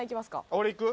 俺いく？